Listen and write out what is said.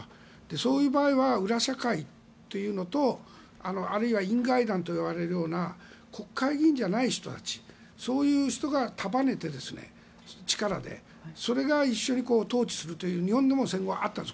そういう場合は裏社会というのとあるいは、院外団と呼ばれる国会議員じゃない人たちが力で束ねて、それが一緒に統治するという日本でも戦後はあったんです。